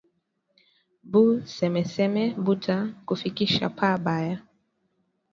Bu semeseme buta kufikisha pa baya